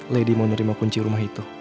lady mau menerima kunci rumah itu